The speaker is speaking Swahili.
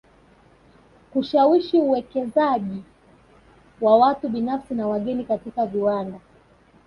Kushawishi uwekezaji wa watu binafsi na wageni katika viwanda